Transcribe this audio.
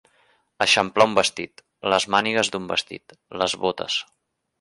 Eixamplar un vestit, les mànigues d'un vestit, les botes.